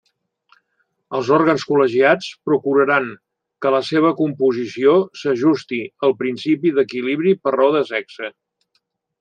Els òrgans col·legiats procuraran que la seua composició s'ajuste al principi d'equilibri per raó de sexe.